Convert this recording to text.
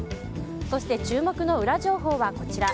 そして、注目のウラ情報はこちら。